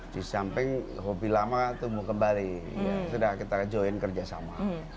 di samping hobi lama tumbuh kembali sudah kita join kerjasama